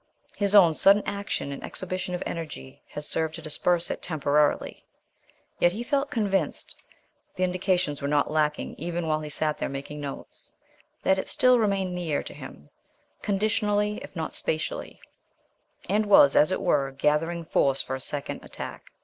His own sudden action and exhibition of energy had served to disperse it temporarily, yet he felt convinced the indications were not lacking even while he sat there making notes that it still remained near to him, conditionally if not spatially, and was, as it were, gathering force for a second attack.